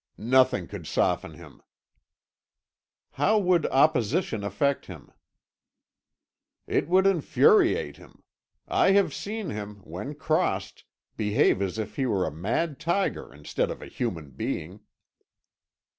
"Nothing could soften him." "How would opposition affect him?" "It would infuriate him. I have seen him, when crossed, behave as if he were a mad tiger instead of a human being."